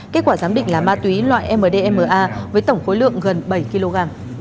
kết quả giám định là ma túy loại mdma với tổng khối lượng gần bảy kg